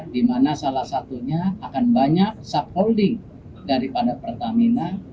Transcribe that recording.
di mana salah satunya akan banyak subholding daripada pertamina